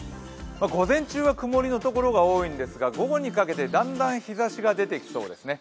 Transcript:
午前中は曇りのところが多いんですが午後にかけて、だんだん日ざしが出てきそうですね。